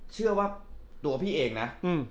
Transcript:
เชื่อว่าตัวพี่เองนะ